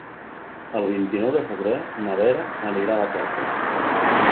El vint-i-nou de febrer na Vera anirà a la platja.